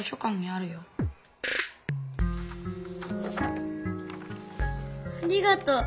ありがとう。